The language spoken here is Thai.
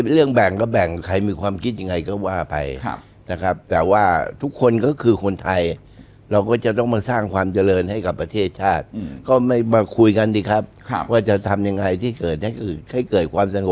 เรื่องแบ่งก็แบ่งใครมีความคิดยังไงก็ว่าไปนะครับแต่ว่าทุกคนก็คือคนไทยเราก็จะต้องมาสร้างความเจริญให้กับประเทศชาติก็ไม่มาคุยกันสิครับว่าจะทำยังไงที่เกิดให้เกิดความสงบ